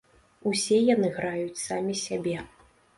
Усе яны граюць самі сябе.